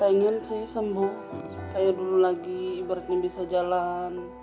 pengen sih sembuh kayak dulu lagi ibaratnya bisa jalan